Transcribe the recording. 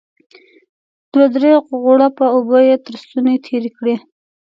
دوه درې غوړپه اوبه يې تر ستوني تېرې کړې.